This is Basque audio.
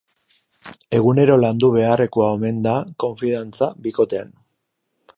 Egunero landu beharrekoa omen da konfidantza bikotean.